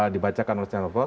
dibacakan oleh jokowi